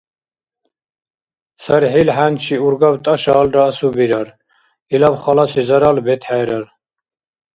ЦархӀил хӀянчи ургаб тӀашаалра, асубирар, илаб халаси зарал бетхӀерар.